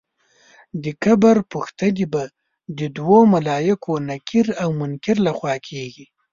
د قبر پوښتنې به د دوو ملایکو نکیر او منکر له خوا کېږي.